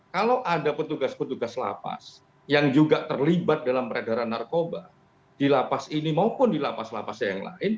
kalau ada petugas petugas lapas yang juga terlibat dalam peredaran narkoba di lapas ini maupun di lapas lapasnya yang lain